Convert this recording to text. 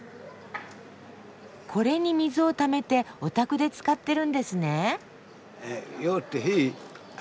これに水をためてお宅で使ってるんですね？